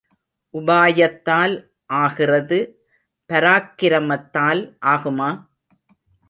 உபாயத்தால் ஆகிறது பராக்கிரமத்தால் ஆகுமா?